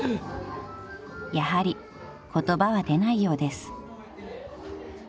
［やはり言葉は出ないようです］